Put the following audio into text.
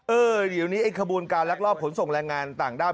เอองี้ไอ้ขบูรณ์การรักรอบผลส่งแรงงานภาคินต่างด้าว